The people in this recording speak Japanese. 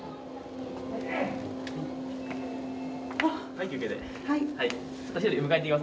はい休憩です。